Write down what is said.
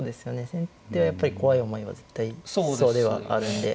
先手はやっぱり怖い思いは絶対しそうではあるんで。